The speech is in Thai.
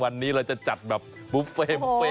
วันนี้เราจะจัดแบบบุฟเฟ่กันไปเลย